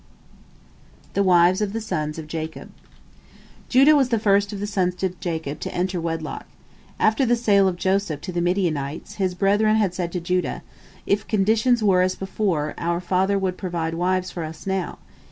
THE WIVES OF THE SONS OF JACOB Judah was the first of the sons of Jacob to enter wedlock. After the sale of Joseph to the Midianites, his brethren had said to Judah, "If conditions were as before, our father would provide wives for us now.